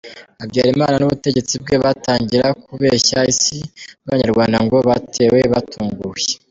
Habyarimana n’ubutegetsi bwe batangira kubeshya isi n’abanyarwanda ngo batewe batunguwe.